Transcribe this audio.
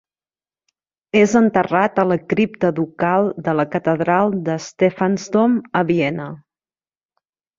És enterrat a la cripta ducal de la catedral de Stephansdom a Viena.